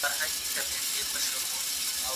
زه به قلم استعمالوم کړی وي؟